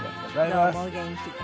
どうもお元気で。